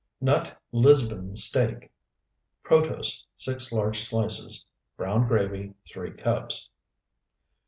NUT LISBON STEAK Protose, 6 large slices. Brown gravy, 3 cups.